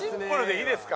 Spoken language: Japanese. いいですか？